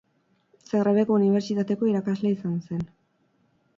Zagrebeko unibertsitateko irakasle izan zen.